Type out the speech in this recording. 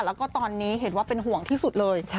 แล้วก็ตอนนี้เห็นว่าเป็นห่วงที่สุดเลย